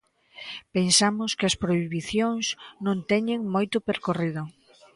Pensamos que as prohibicións non teñen moito percorrido.